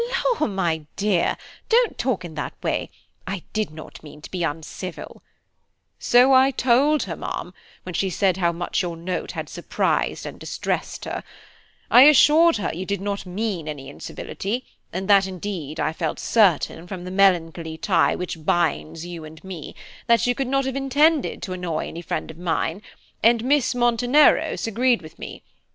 "Law! my dear, don't talk in that way. I did not mean to be uncivil." "So I told her, ma'am, when she said how much your note had surprised and distressed her. I assured her you did not mean any incivility, and that indeed I felt certain, from the melancholy tie which binds you and me, that you could not have intended to annoy any friend of mine, and Miss Monteneros agreed with me.